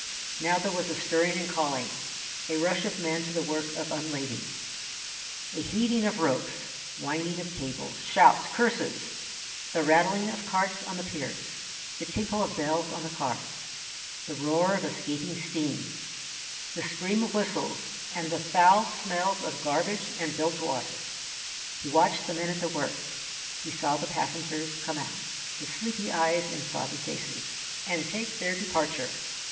Now there was a stirring and calling; a rush of men to the work of unlading; a heaving of ropes, winding of cables, shouts, curses, the rattling of carts on the piers, the tinkle of bells on the cars, the roar of escaping steam, the scream of whistles, and the foul smells of garbage and bilge water. He watched the men at their work, he saw the passengers come out, with sleepy eyes and sodden faces, and take their departure.